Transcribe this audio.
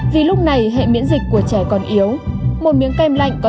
quy trình sản xuất thô sơ không đảm bảo